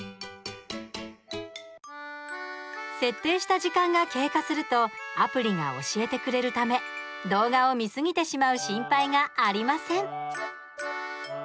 設定した時間が経過するとアプリが教えてくれるため動画を見すぎてしまう心配がありません。